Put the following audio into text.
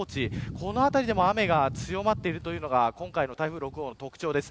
この辺りでも雨が強まっているのが今回の台風６号の特徴です。